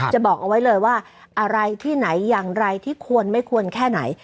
จะบอกเอาไว้เลยว่าอะไรที่ไหนอย่างไรที่ควรไม่ควรแค่ไหน